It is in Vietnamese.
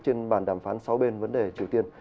trên bàn đàm phán sáu bên vấn đề triều tiên